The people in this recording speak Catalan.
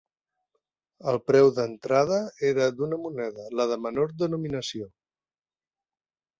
El preu d'entrada era d'una moneda, la de menor denominació.